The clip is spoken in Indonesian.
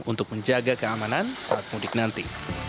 untuk menjaga keamanan saat mudik nanti